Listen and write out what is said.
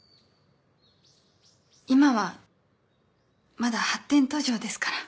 今はまだ発展途上ですから。